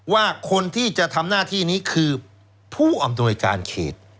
ว่าคนที่จะทำหน้าที่นี้คือผู้อำนวยการเขต